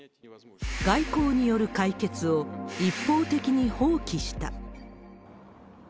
外交による解決を一方的に放棄した。